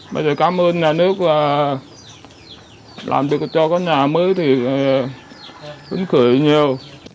bây giờ cảm ơn nhà nước làm được cho cái nhà mới thì hứng khởi nhiều